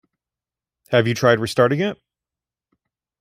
Have you tried restarting it?